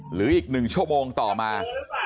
หรืออีกหนึ่งชั่วโมงต่อมา